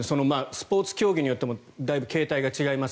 スポーツ競技によってもだいぶ、形態が違います。